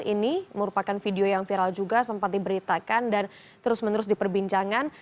ini merupakan video yang viral juga sempat diberitakan dan terus menerus diperbincangkan